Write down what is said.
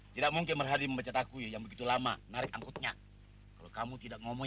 tidak mungkin merhadi membaca aku yang begitu lama narik angkutnya kalau kamu tidak ngomong